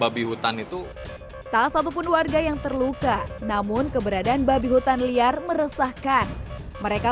babi hutan itu tak satupun warga yang terluka namun keberadaan babi hutan liar meresahkan mereka